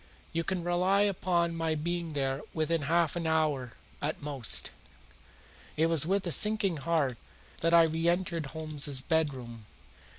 You can rely upon my being there within half an hour at most." It was with a sinking heart that I reentered Holmes's bedroom.